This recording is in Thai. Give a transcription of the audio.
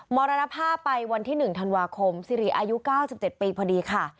มรณภาพไปวันที่๑ธันวาคมสิริอายุ๙๗ปีพอดีค่ะ